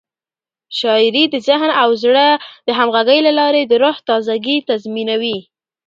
شاعري د ذهن او زړه د همغږۍ له لارې د روح تازه ګي تضمینوي.